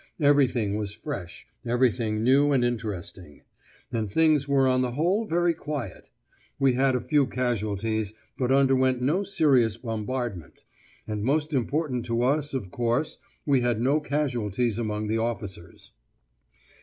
Everything was fresh, everything new and interesting. And things were on the whole very quiet. We had a few casualties, but underwent no serious bombardment. And, most important to us, of course, we had no casualties among the officers.